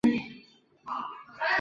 臧明华。